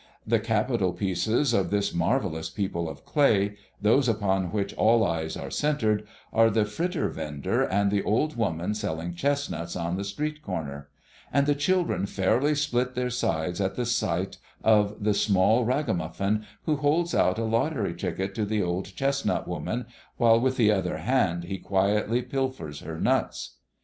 The capital pieces of this marvellous people of clay, those upon which all eyes are centred, are the fritter vender and the old woman selling chestnuts on the street corner; and the children fairly split their sides at the sight of the small ragamuffin, who holds out a lottery ticket to the old chestnut woman, while with the other hand he quietly pilfers her nuts.